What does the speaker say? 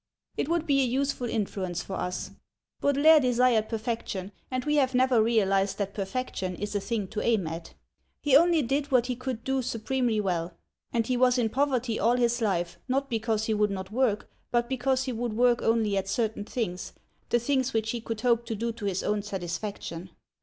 It would be a useful influence for us. Baudelaire desired perfection, and we have never realised that perfection is a thing to aim at. He only did what he could do supremely well, and he was in poverty all his life, not because he would not work, but because he would work only at certain things, the things which he could hope to do to his own satisfaction.